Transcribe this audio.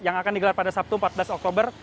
yang akan digelar pada sabtu empat belas oktober